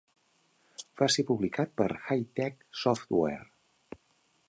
Va ser publicat per Hi-Tec Software.